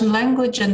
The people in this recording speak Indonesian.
dalam bahasa rusia